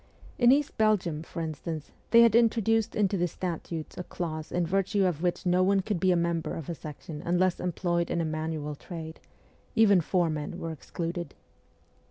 In East Belgium, for instance, they had introduced into the statutes a clause in virtue of which no one could be a member of a section unless employed in a manual trade ; even fore men were excluded.